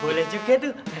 boleh juga tuh